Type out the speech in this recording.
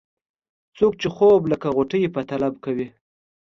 څوک چې خوب لکه غوټۍ په طلب کوي.